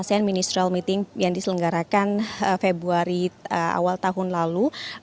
asean ministerial meeting yang diselenggarakan februari awal tahun lalu